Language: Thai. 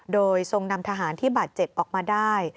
โดยทรงนำทหารที่บาดเจ็บออกมาได้